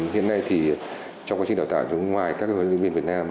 hiện nay thì trong quá trình đào tạo chúng ngoài các huấn luyện viên việt nam